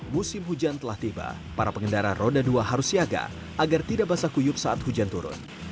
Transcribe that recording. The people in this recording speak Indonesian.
musim hujan telah tiba para pengendara roda dua harus siaga agar tidak basah kuyup saat hujan turun